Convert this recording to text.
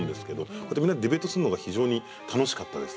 こうやってみんなでディベートするのが非常に楽しかったです。